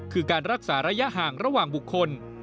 คือการรักษาระยะห่างระหว่างบุคคล